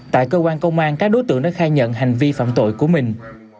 tại cơ quan công an các đối tượng đã khai nhận hành vi phạm tội của mình